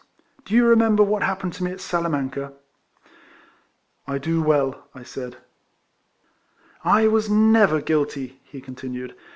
do you remember what happened to me at Salamanca?" " I do well^^^ I said. "I was never guilty," he continued.